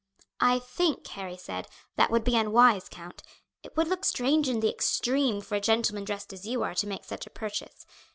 "I think," Harry said, "that would be unwise, count; it would look strange in the extreme for a gentleman dressed as you are to make such a purchase.